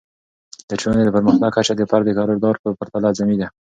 د ټولنې د پرمختګ کچه د فرد د کردار په پرتله اعظمي ده.